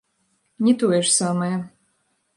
Не тое ж самае.